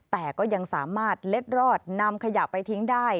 แต่ก็ยังสามารถเล็ดรอดนำขยะไปทิ้งได้